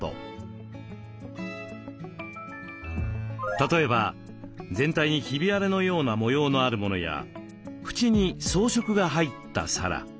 例えば全体にひび割れのような模様のあるものや縁に装飾が入った皿。